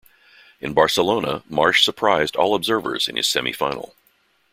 In Barcelona, Marsh surprised all observers in his semi-final.